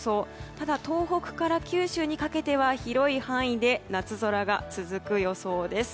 ただ、東北から九州にかけては広い範囲で夏空が続く予想です。